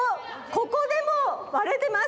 ここでもわれてます！